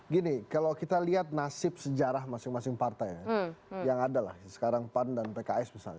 gini kalau kita lihat nasib sejarah masing masing partai yang ada lah sekarang pan dan pks misalnya